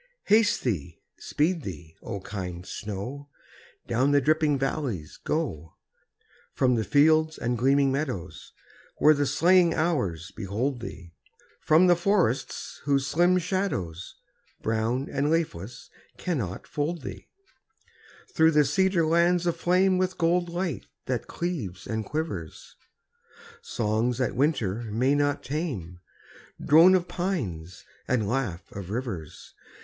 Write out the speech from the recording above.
Haste thee, speed thee, O kind snow; Down the dripping valleys go, From the fields and gleaming meadows, Where the slaying hours behold thee, From the forests whose slim shadows, Brown and leafless cannot fold thee, Through the cedar lands aflame With gold light that cleaves and quivers, Songs that winter may not tame, Drone of pines and laugh of rivers.